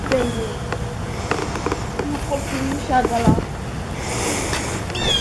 benki kuu ni mdau katika usimamizi wa mfumo wa malipo